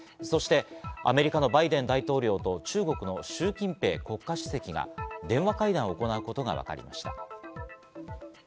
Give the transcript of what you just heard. そしてアメリカのバイデン大統領と中国のシュウ・キンペイ国家主席が電話会談を行うことがわかりました。